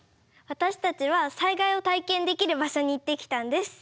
私たちは災害を体験できる場所に行ってきたんです。